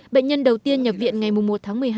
bệnh nhân đầu tiên nhập viện ngày một tháng